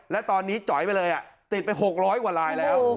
และตอนนี้จ๋อยไปเลยติดไป๖๐๐กว่าลายแล้ว